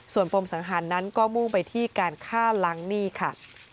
ส่วนปมสังหารนั้นก็มุ่งไปที่การฆ่าล้างหนี้ค่ะ